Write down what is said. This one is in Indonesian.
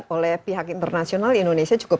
oleh pihak internasional di indonesia cukup